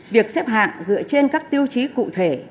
việc xếp hạng dựa trên các tiêu chí cụ thể